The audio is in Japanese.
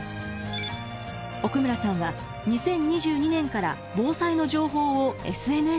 奥村さんは２０２２年から防災の情報をＳＮＳで発信。